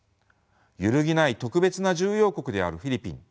揺るぎない特別な重要国であるフィリピン。